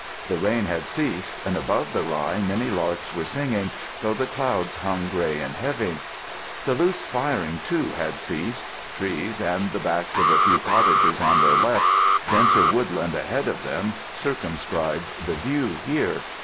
The rain had ceased, and above the rye many larks were singing, though the clouds hung grey and heavy. The loose firing, too, had ceased. Trees and the backs of a few cottages on their left, denser woodland ahead of them, circumscribed the view here.